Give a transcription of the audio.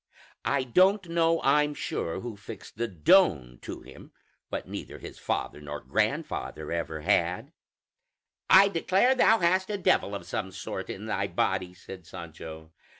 I don't know, I'm sure, who fixed the 'Don' to him, what neither his father nor grandfather ever had." "I declare, thou hast a devil of some sort in thy body!" said Sancho.